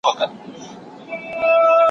مېلمانه څنګه غونډي ته راځي؟